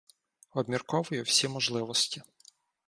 Обмірковую всі можливості.